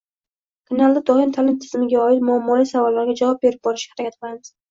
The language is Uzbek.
Kanalda doim ta’lim tizimiga oid muammoli savollarga javob berib borishga harakat qilamiz.